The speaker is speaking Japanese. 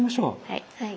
はい。